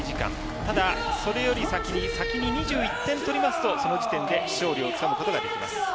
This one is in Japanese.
ただ、それより先に２１点取りますとその時点で勝利をつかむことができます。